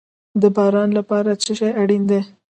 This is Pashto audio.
د باران لپاره څه شی اړین دي؟